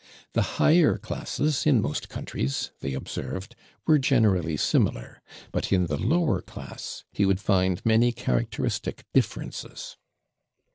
The higher classes, in most countries, they observed were generally similar; but, in the lower class, he would find many characteristic differences.